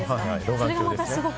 それがまたすごく。